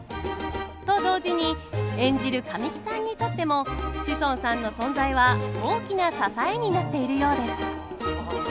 と同時に演じる神木さんにとっても志尊さんの存在は大きな支えになっているようです。